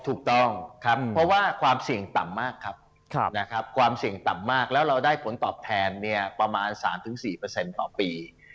ถูกต้องเพราะว่าความเสี่ยงต่ำมากแล้วเราได้ผลตอบแทนประมาณ๓๔ต่อปี